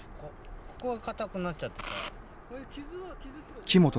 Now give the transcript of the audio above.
ここが硬くなっちゃってさ。